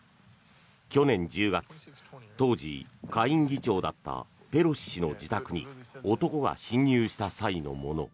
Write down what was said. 去年１０月当時、下院議長だったペロシ氏の自宅に男が侵入した際のもの。